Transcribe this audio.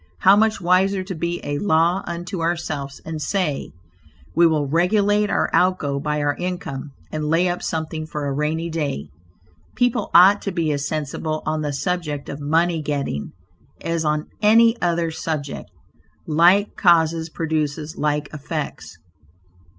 How much wiser to be a "law unto ourselves" and say, "we will regulate our out go by our income, and lay up something for a rainy day." People ought to be as sensible on the subject of money getting as on any other subject. Like causes produces like effects.